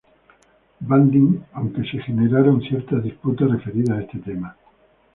Van Dine, aunque se generaron ciertas disputas referidas a este tema.